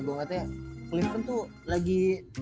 gue katanya cleveland tuh lagi